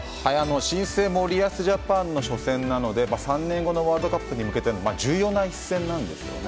新生森保ジャパンの初戦なので３年後のワールドカップに向けての重要な一戦なんですよね。